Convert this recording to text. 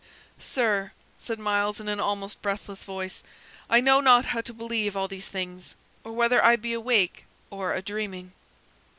"Sir," said Myles, in an almost breathless voice, "I know not how to believe all these things, or whether I be awake or a dreaming."